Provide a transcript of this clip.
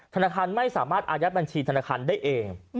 ธนาคารไม่สามารถอายัดบัญชีธนาคารได้เอง